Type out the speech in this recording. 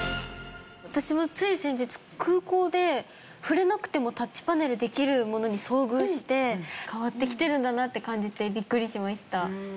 私もつい先日空港で触れなくてもタッチパネルできるものに遭遇して変わってきてるんだなって感じてビックリしました。